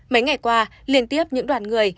mấy ngày qua liên tiếp những đoàn người